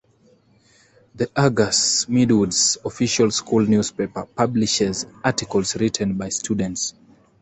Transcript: The "Argus", Midwood's official school newspaper, publishes articles written by students.